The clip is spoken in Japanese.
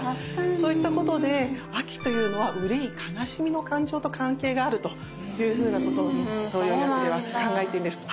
そういったことで秋というのは憂い悲しみの感情と関係があるというふうなことを東洋医学では考えてるんです。